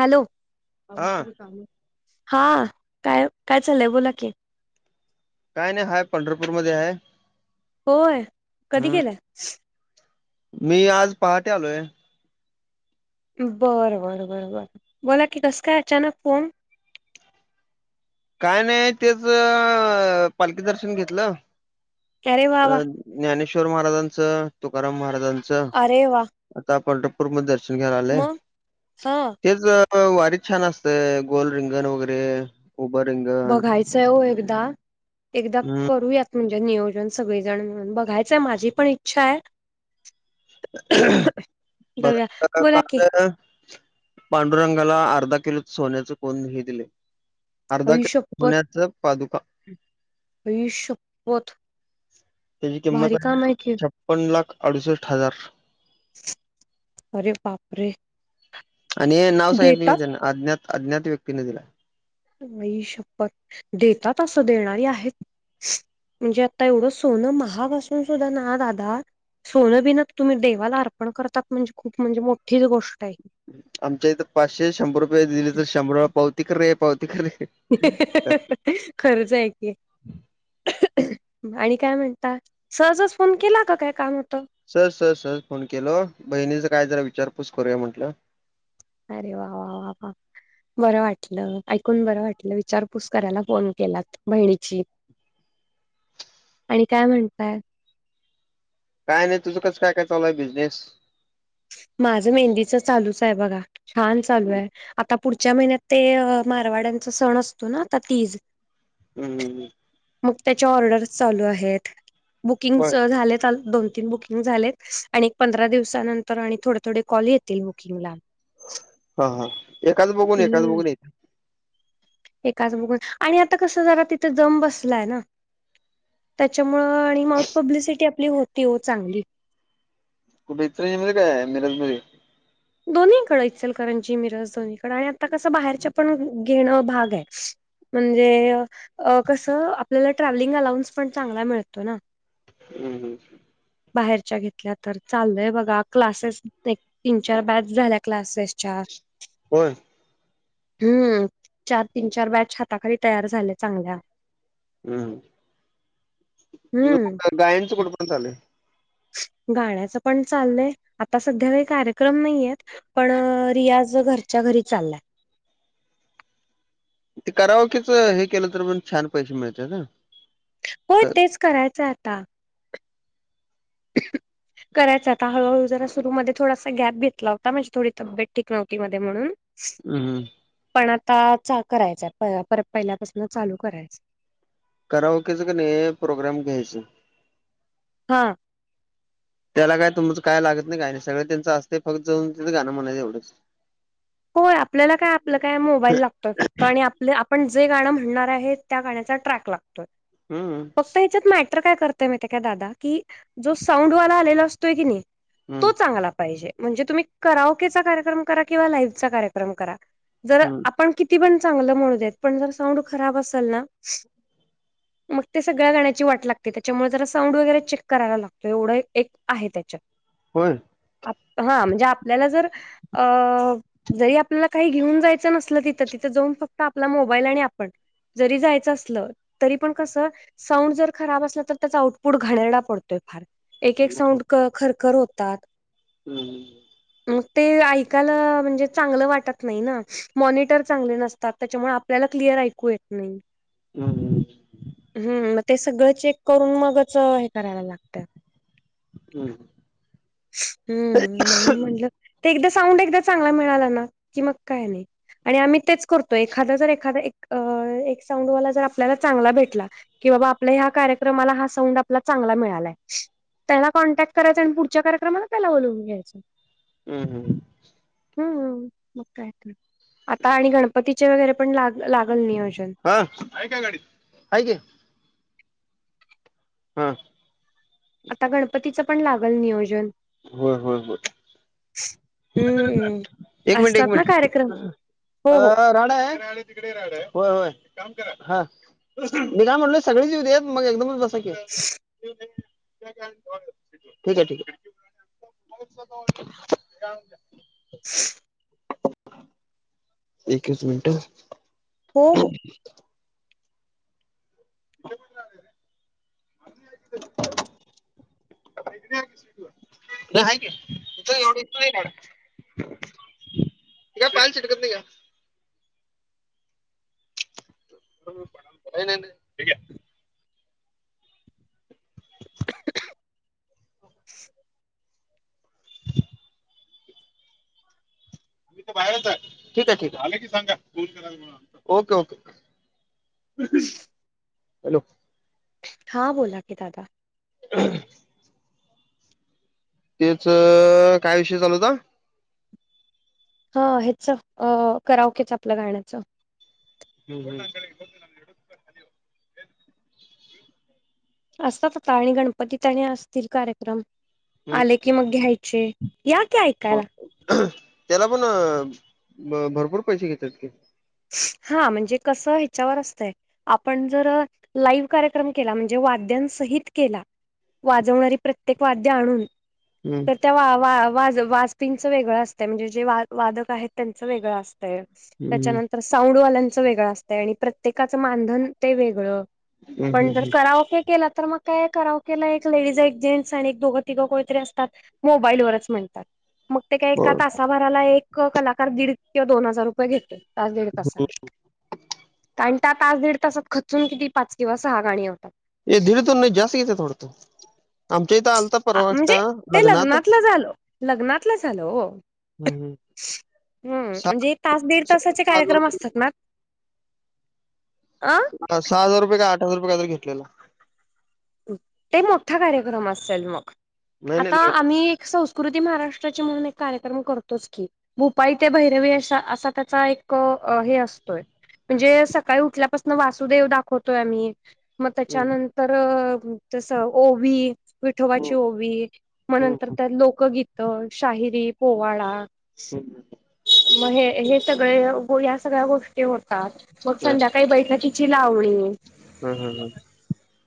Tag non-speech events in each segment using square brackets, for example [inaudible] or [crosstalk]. Hello हा हा काय काय चाललंय बोला की काय नाही हाय पंढरपूरमध्ये आहे होय कधी हम्म गेलंय मी आज पहाटे आलोय बरं बरं बर बरं बोला की कस का अचानक फोन काय नाही तेच पालखी दर्शन घेतलं अरे वा वा अ ज्ञानेश्वर महाराजांचं तुकाराम महाराजांचं अरे वा आता आपण ू मध्ये दर्शन घ्याय आलंय मग हा तेच वारीच छान असत गोल रिंगण वगैरे उभरंग बघायचंय हो एकदा एकदा हम्म करूयात म्हणजे नियोजन सगळेजण म्हणून बघायचंय माझी पण इच्छा आहे ब जाऊया का बोला की का पांडुरंगाला अर्धा किलो सोन्याच कोण हे दिले अर्धा आई किलो शपथ सोन्याच पा का षपत त्याची किंमत आहे की छप्पन लाख अडुसष्ट हजार अरे पापरे आणि हे नाव सांगितलं त्यांना अज्ञात अज्ञात व्यक्तीने दिला नाही शपथ देतातात अससं देणारी आहेत म्हणजे आता एवढं सोनं महागासून सुद्धा ना दादा सोनं बिनत तुम्ही देवाला अर्पण करतात म्हणजे खूप म्हणजे मोठीच गोष्ट आहे आमच्या इथं पाचशे शंभर रुपये दिले तर शंभर रपय पावतीिक आहे पावतीिक आहे खरंच आहे की आणि काय म्हणता सहजच फोन केला का काय काम होतं सर सर सर फोन केल बहिणीच काय जरा विचारपूस करूया म्हटलं अरे वा वा बरं वाटलं ऐकून बरं वाटलं विचारपूस करायला फोन केलात बहिणीची [inaudible] आणि काय म्हणतय काय नाही तुझं कसं काय काय चालूय बिझनेस माझं मेहंदीच चालूच आहे बघा छान चालू आहे आता पुढच्या महिन्यात ते मारवाड्यांचा सण असतो ना आता तीज हमं हं मग त्याच्या ऑर्डर चालू आहेत बुकिंग होय झा दोन तीन बुकंग झालेत आणि एक पंधरा दिवसानंतर आणि थोडे थोडे कॉल येतील बुकिंगला हा हा एकाच बघून एकाच हम्म बघून एकाच बघून आणि आता कसं जरा तिथं जम बसलाय ना त्याच्यामुं आणि माउथ पब्लिसिटी आपली होती हो चांगली कुठे इतरांमध्येध्ये काय मिरज म दोन्ही कड इ सलकरंजी मिरज दोन्हीकडें आणि आता कसं बाहेरच्या पण घेणं भाग आहे म्हणजे कस आपल्याला ट्रॅव्हलिंग अलाउन्स पण चांगला मिळतो ना हम् हम्. बाहेरच्या घेतल्या तर चालय बघा क्लासेस तीन चार बॅच झाल्या क्लासेसच्या. होय. हम्म चार तीन चार बॅच हाताखाली तयार झाले चांगल्या. हम्म हम्म गायनचं कुठं पर्यंत आलाय? गाण्याचं पण चाललंय आता सध्या काही कार्यक्रम नाहीय. पण रियाज घरच्या घरी चाललाय. ते करावं कीच हे केलं तर पण छान पैसे मिळतात ह. हो तेच करायचं आता. [inaudible] करायचं आता हळूहळू जरा सुरूमध्ये थोडासा गॅप घेतला होता म्हणजे थोडी तब्येत ठीक नव्हती मध्ये म्हणून. हम्म पण आता करायचंय परत पहिल्यापासून चालू करायचं. करावकीच कणी प्रोग्राम घ्यायच. हा. [inaudible] त्याला काय तुमचं काय लागत नाही गाय सगळे त्यांं असते फक्त जाऊनं गां म्हणायच एवढंच. होय आपल्याला काय आपलं काय मोबाईल लागतोय फक्त आणि आपले आपण जे गाणं म्हणणार आहे त्या गाण्याचा ट्रॅक लागतो. [inaudible] हम्म. फक्त ह्याच्यात मात्र काय करतय मा काय दादा की जो साऊंडवाला आलेला असतोय की नाही तो हम्म चांगला पाहिजे म्हणजे तुम्ही कराओकेचा कार्यक्रम करा किंवा लाईव्हचा कार्यक्रम करा. जर हम्म आपण किती पण चांगलं म्हणू देत पण जर साऊंड खराब असेल ना. [inaudible] मग ते सगळ्या गाण्याची वाट लागते त्याच्यामुळे जरा साऊंड वगैरे चेक करायला लागतो एवढं एक आहे त्याच्यात. होय. हा म्हणजे आपल्याला जर अ जरी आपल्याला काही घेऊन जायचं नसलं तिथं तिथं जाऊन फक्त आपला मोबाईल आणि आपण. जरी जायचं असलं तरी पण कसं साऊंड जर खराब असला तर त्याचा आउटपुट घाणेड्रा पडतोय फार. एक एक हम्म साऊंड खरखर होतात. हम्. मग ते ऐकायला म्हणजे चांगल वाटत नाही ना मॉनटर चांगले नसतात त्याच्यामुळे आपल्याला क्लिअर ऐकू येत नाही. हम् हम. हम्म मग ते सगळं चेक करून मगच हे करायला लागत. हम् ह. हम् म्हणून म्हटलं ते एकदा साऊंड एकदा चांगला मिळाला कि मग काय नाही. आणि आम्ही तेच करतो एखादा जर एखादा एक एक साउंडवाला जर आपल्याला चांगला भेटला. कि बाबा आपल्या ह्या कार्यक्रमाला हा साऊंड आपला चांगला मिळालाय. त्याला कॉन्टॅक्ट करायचं आणि पुढच्या कार्यक्रमाला त्याला बलावून घ्यायचं. हम् हम. हम्म मग काय आता आणि गणपतीचे वगैरे पण लाग लागल नियोजन. हा हाय काय गाडी? हाय की. हम. आता गणपतीचं पण लागल नियोजन. होय होय होय. हम्म. एक मिनिट एक असतात ना मिनिट कार्यक्रम हो हो अ राड हाय. तिकडे येणारे होय होय एक काम करा हा. मी काय म्हटलं सगळीचेत मग एकदमच बसा कि. [inaudible] [unintelligible] ठीक आहे ठीक आहे. [unintelligible] एकच मिनिटं. हो हो. [unintelligible] इकडं या कि सीटवर. नाही आहे कि [unintelligible] ते काय पायाला चिटकत नाही घ्या. नाही नाही, हे घ्या. [unintelligible] आम्ही तर बाहेरच आहे ठीक आहे ठीक आहे आले की सांगा, फोन करालो म्हणून. Okay okay. हॅलो हां बोला की दादा. [unintelligible] तेच काय विषय चालू होता? अ हेच अ कराओकेच आपलं गाण्याचं. हम्म हम्म. असतात आता आणि गणपती त आणि असतील कार्यक्रम आले की मग घ्यायचे. याक्यात हो त्याला पण भरपूर पैसे घेतात की. हा म्हणजे कस ह्याच्यावर असतंय. आपण जर लाईव्ह कार्यक्रम केला म्हणजे वाद्यांसहित केला. वाजवणारी प्रत्येक वाद्य आणून हम्म तर त्या वा वा वा वाज च वेगळं असत म्हणजे जे वादक आहेत त्यांचं वेगळं असत हम्म त्याच्यानं तर साऊंडवाल्यांचं वेगळं असतंय आणि प्रत्येकाचं मानधन ते वेगळं. हम् पण हम् जर हम् कराओके केलं तर मग काय कराओकेला एक लेडीज एक जेंट्स आणि एक दोघं तिघं कोनीतरी असतात मोबाईलवरच म्हणतात. मग ते काय एका होय तासाभराला एक कलाकार दीड किंवा दोन हजार रुपये घेतोय. तास दीड तासाला. कारण त्या तास दीड तासात खचून किती पाच किंवा सहा गाणी होतात. हे धीर धूून नाही जास्त घेतात वाडत आमच्या इथ आलता परवा म्हणजे एकटा ते लग्नात लग्नातलं झालं. हम्म हम्म. हम्म म्हणजे तास दीड तासाचे हजार कार्यक्रम असतात ना अ सहा हजार रुपये का आठजार रुपय काय तरी घेतलेला. ते मोठा कार्यक्रम असेल मग नाही आता नाही आम्ही संस्कृती महाराष्ट्राची म्हणून एक कार्यक्रम करतोच की. भुपाई ते भैरवी अशा असा त्याचा एक हे असतोय. म्हणजे सकाळी उठल्यापासून वासुदेव दाखवतोय आम्ही मग हम्म त्याच्यानंतर तस ओवी विठोबाची ओवी म हम्म नंतर त लोकगीत शाहिरी पोवाडा. हम्म. मग हे सगळे या सगळ्या गोष्टी होतात मग ह संध्याकाळी बैठकी ची लावणी. हम हम हम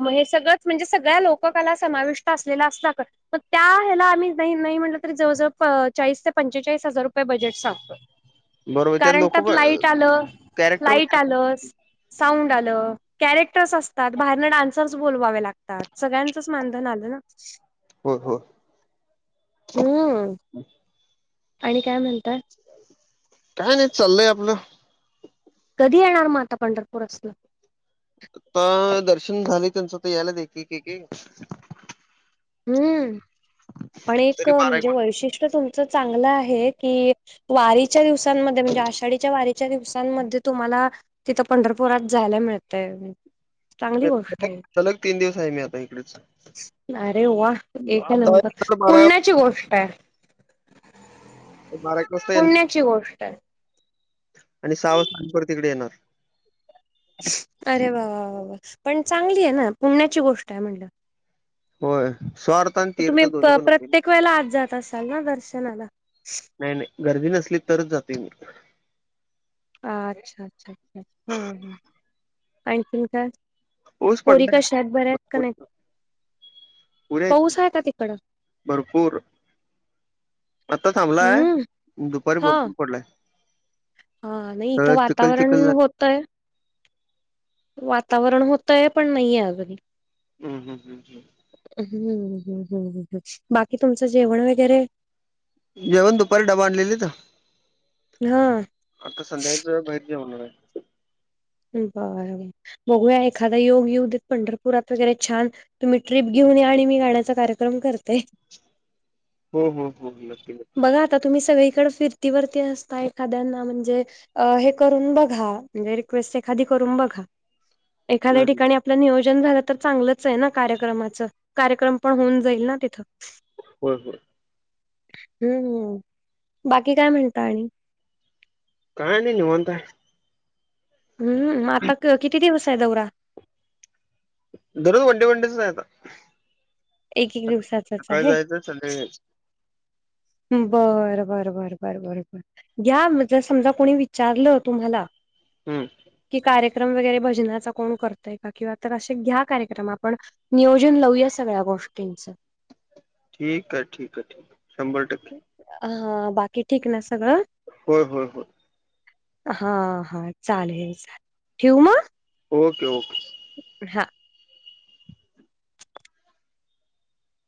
मग हे सगळंच म्हणजे सगळ्या लोककाला समाविष्ट असलेला असतात. म त्या ह्याला आम्ही नाही नाही म्हटलं तरी जवळजवळ अ चाळीस ते पंचेचाळीस हजार रुपये बजेट सांगतो बरोबर कारण लोक त्यात पण लाईट आलं कॅरेक्टर लाईट पण आलंस साऊंड आल कॅरेक्टर्स असतात बाहेरण डान्स सर्स बोलवावे लागतात सगळ्यांचच मानधन आलं ना हो हो. हूं आणि काय म्हणता काय नाय चाललंय आपलं कधी येणार मग आता पंढरपूरासलं आता दर्शन झाले त्यांचं त यायलायेत एक एक एक हम्म पण एक तरी बारा म्हणजे वैशिष्ट्य तुमचं चांगलं आहे की वारीच्या दिवसांमध्ये म्हणजे आषाढीच्या वारीच्या दिवसांमध्ये तुम्हाला तिथं पंढरपुरात जायला मिळतय चांगली गोष्ट एक आहे. सलग तीन दिवस हाय मी आता इकडच अरे वा! एक नंबरं बारा पुण्याची गोष्ट आहे. बारा एक वाजता येणार पुण्याची गोष्ट आहे. आणि सावस नंतर तिकडे येणार अरे वा वा वा वा वा! पण चांगली आहे ना पुण्याची गोष्ट आहे म्हटलं. होय. स्वार्थ आणि मं तीर्थ तुम्ही दोन्ही पण होते प्रत्येक वेळेला आज जात असाल ना दर्शनाला नाय नाय गर्दी नसली तरच जातोय मी अच्छा अच्छा अच्छ्छ हा हा आणिख काय पाऊस पोरी पडलाय कशा आहेत बऱ्या आहेत का भरपूर नाय पुरे आहेत की पाऊस आहे का तिकडं भरपूर आत्ता थांबलाय हम्म दुपारी हा भरपूर पडलाय. हा नाही इथं सगळं चिखल चिखल वातावरण झालं होतय. वातावरण होतय पण नहीये अजूनही हम् हम् हम् हम् हूं हूं हूं हूं हूं हूं बाकी तुमचं जेवण वगैरे जेवण दुपारी डबा आणलेले इथं हा आता संध्याकाळचं बाहेर जेवणं होणार. बार बघूया एखादा योग येऊ देत पंढरपुरात वगैरे छान तुम्ही ट्रीप घेऊन या आणि मी गाण्याचा कार्यक्रम करते. हो हो हो नक्की नक्की बघा आता तुम्ही सगळीकडे फिरतीवरती असताय एखाद्याना म्हणजे अ हे करून बघा म्हणजे रिक रिक्वेस्ट एखादी करून बघा एखाद्या हम्म, ठिकाणी आप आपलं नियोजन झालं तर चांगलंच आहे ना कार्यक्रमाच कार्यक्रम पण होऊन जाईल ना तिथं होय होय. हूं हूं बाकी काय म्हणता आणि काय नाय निवांत हाय हम्म हूं आता क किती दिवस आहे दौरा दररोज वडे वंडेच हाय आता एक एक दिवसाचाच सकाळी आहे जायचं संडेला यायच बर बरं बर बरं बर बर घ्या म समजा कोणी विचारलं तुम्हाला हम्म कि कार्यक्रम वगैरे भजनाचा कोण करतय किंवा तर असे घ्या कार्यक्रम आपण नियोजन लावूया सगळ्या गोष्टींच. ठीक आहे ठीक आहे ठीक शंभर टक्क हा बाकी ठीक ना सगळं होय होय होय. हा हा चालेल चालेल ठेवू म ओके ओके. हा..